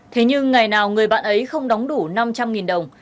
thế nhưng ngày nào người bạn ấy không đóng đủ năm trăm linh đồng